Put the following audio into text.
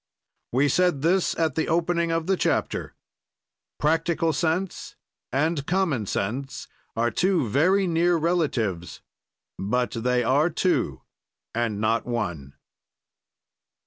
We said this at the opening of the chapter: practical sense and common sense are two very near relatives, but they are two and not one.